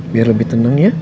biar lebih tenang ya